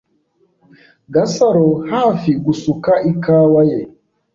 Gasaro hafi gusuka ikawa ye.